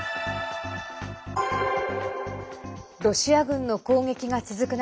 ロシア軍の攻撃が続く